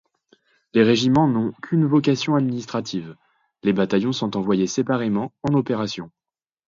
Les régiments n'ont qu'une vocation administrative, les bataillons sont envoyés séparément en opération.